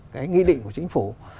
cái nghị định của chính phủ